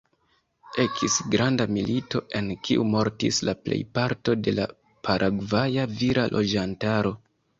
Ekis granda milito, en kiu mortis la plejparto de la Paragvaja vira loĝantaro.